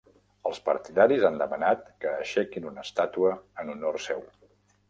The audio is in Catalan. Els partidaris han demanat que aixequin una estàtua en honor seu.